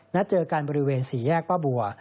นัดเจอกันบริเวณสี่แยกป้าบัว